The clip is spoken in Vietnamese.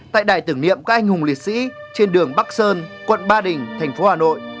tại đài tưởng niệm các anh hùng liệt sĩ trên đường bắc sơn quận ba đình thành phố hà nội